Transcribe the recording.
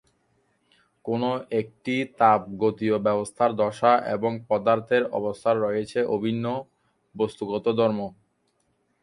কোনো একটি তাপগতীয় ব্যবস্থার দশা এবং পদার্থের অবস্থার রয়েছে অভিন্ন বস্তুগত ধর্ম।